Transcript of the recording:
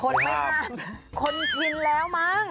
คนไม่นานคนชินแล้วมั้ง